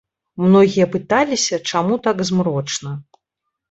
Многія пыталіся, чаму так змрочна.